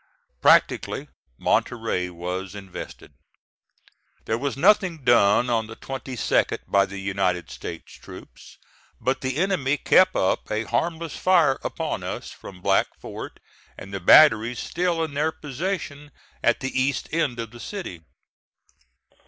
Practically Monterey was invested. There was nothing done on the 22d by the United States troops; but the enemy kept up a harmless fire upon us from Black Fort and the batteries still in their possession at the east end of the city.